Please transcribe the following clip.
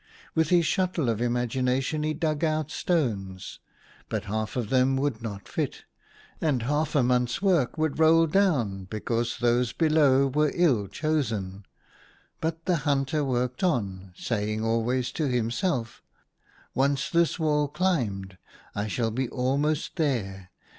With his shuttle of imagination he dug out stones ; but half of them would not fit, and half a month's work would roll down because those below were ill chosen. But the hunter worked on, saying always to to himself, " Once this wall climbed, I shall be almost there.